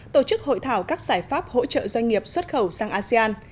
tổ chức hội thảo các giải pháp hỗ trợ doanh nghiệp xuất khẩu sang asean